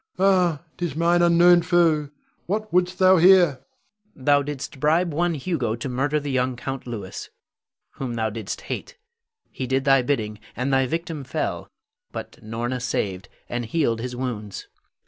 Ah, 'tis mine unknown foe. What wouldst thou here? Louis. Thou didst bribe one Hugo to murder the young Count Louis, whom thou didst hate. He did thy bidding, and thy victim fell; but Norna saved, and healed his wounds.